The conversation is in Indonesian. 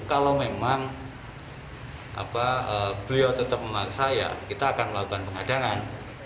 kalau memang beliau tetap memaksa ya kita akan melakukan pengadangan